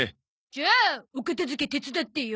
じゃあお片付け手伝ってよ。